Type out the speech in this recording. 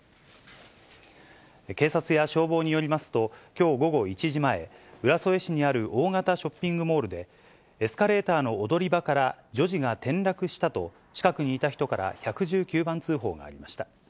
警察や消防によりますと、きょう午後１時前、浦添市にある大型ショッピングモールで、エスカレーターの踊り場から女児が転落したと、近くにいた人から１１９番通報がありました。